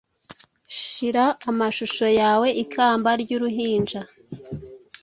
Shira amashusho yawe ikamba ry'uruhinja.